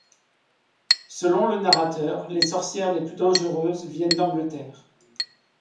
Selon le narrateur, les sorcières les plus dangereuses viennent d'Angleterre.